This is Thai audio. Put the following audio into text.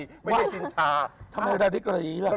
ชินชาก็แปลว่าหนูในใจยังมีความละลิกละลีในการที่จะมีใคร